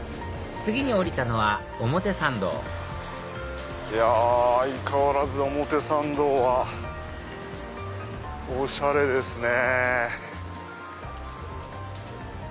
次に降りたのは表参道いや相変わらず表参道はおしゃれですね。